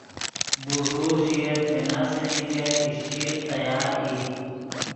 بوݱور ژئیت کہ ناسے نیگت اشچیغ تیار ای